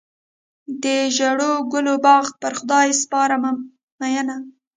د ژړو ګلو باغ پر خدای سپارم مینه.